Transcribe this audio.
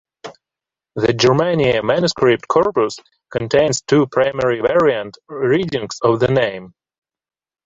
The "Germania" manuscript corpus contains two primary variant readings of the name.